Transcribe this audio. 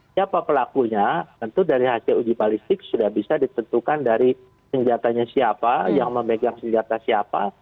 siapa pelakunya tentu dari hasil uji balistik sudah bisa ditentukan dari senjatanya siapa yang memegang senjata siapa